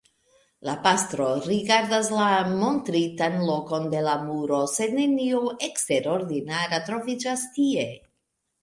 La pastro rigardas la montritan lokon de la muro, sed nenio eksterordinara troviĝas tie.